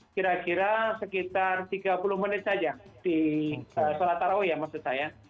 kira kira sekitar tiga puluh menit saja di sholat taraweeh ya maksud saya